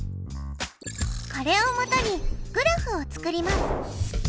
これをもとにグラフを作ります。